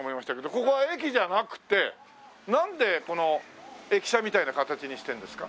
ここは駅じゃなくてなんでこの駅舎みたいな形にしてるんですか？